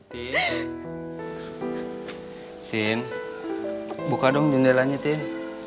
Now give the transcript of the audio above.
tin tin buka dong jendelanya tin